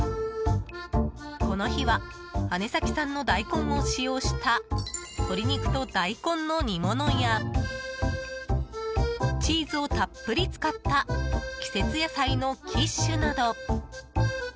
この日は姉崎産の大根を使用した鶏肉と大根の煮物やチーズをたっぷり使った季節野菜のキッシュなど。